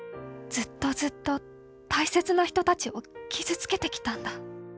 「ずっとずっと大切な人たちを傷つけてきたんだ。